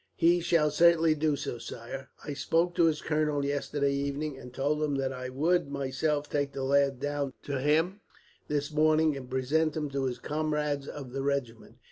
"He shall certainly do so, sire. I spoke to his colonel yesterday evening, and told him that I would myself take the lad down to him, this morning, and present him to his comrades of the regiment.